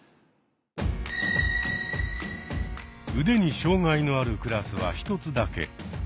腕に障害のあるクラスは１つだけ。